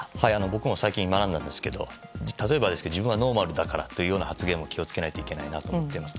僕も最近悩んだんですけど例えば、自分はノーマルだからという発言も気を付けないなといけないなと思っています。